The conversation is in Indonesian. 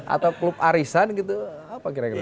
atau klub arisan gitu apa kira kira